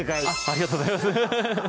ありがとうございます